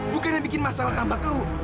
bukan yang bikin masalah tambah keruh